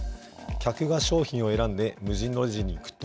客が商品を選んで、無人のレジに行くと、